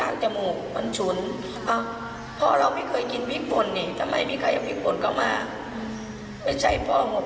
ลูกสาวคนนี้กินเพจป่ะนะ